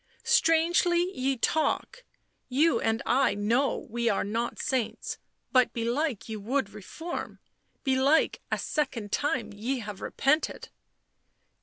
" Strangely ye talk — you and I know we are not saints — but belike ye would reform — belike a second time ye have repented."